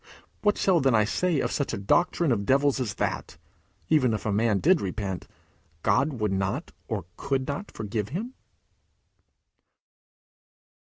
What then shall I say of such a doctrine of devils as that, even if a man did repent, God would not or could not forgive him?